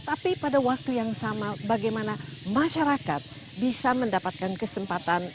tapi pada waktu yang sama bagaimana masyarakat bisa mendapatkan kesempatan